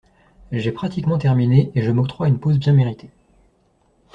J’ai pratiquement terminé et je m’octroie une pause bien méritée.